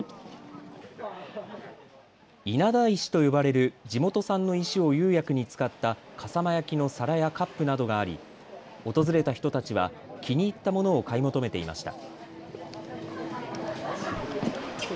稲田石と呼ばれる地元産の石を釉薬に使った笠間焼の皿やカップなどがあり訪れた人たちは気に入ったものを買い求めていました。